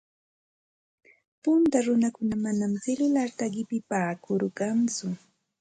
Punta runakuna manam silularta riqipaakurqatsu.